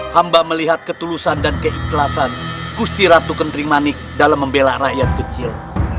hamba melihat ketulusan dan keikhlasan gusti ratu kendrimanik dalam membela rakyat kecil